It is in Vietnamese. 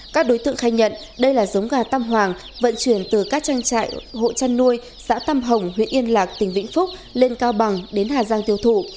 các đối tượng khai nhận đây là giống gà tâm hoàng vận chuyển từ các trang trại hộ chăn nuôi xã tâm hồng huyện yên lạc tỉnh vĩnh phúc lên cao bằng đến hà giang tiêu thụ